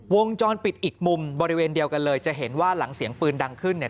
วงจรปิดอีกมุมบริเวณเดียวกันเลยจะเห็นว่าหลังเสียงปืนดังขึ้นเนี่ย